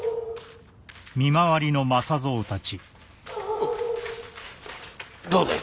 おっどうだい？